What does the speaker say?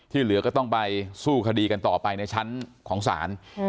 เหลือก็ต้องไปสู้คดีกันต่อไปในชั้นของศาล